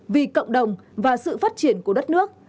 vì cộng đồng và sự phát triển của đất nước